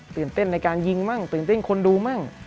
ตื่นเต้นในการยิงมั่งตื่นเต้นคนดูมั่ง